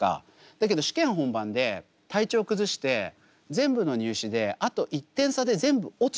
だけど試験本番で体調崩して全部の入試であと１点差で全部落ちてたとします。